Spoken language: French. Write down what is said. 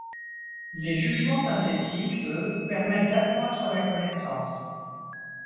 Les jugements synthétiques eux permettent d'accroître la connaissance.